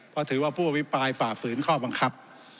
เพราะถือว่าผู้อภิปรายฝ่าฝืนข้อบังคับ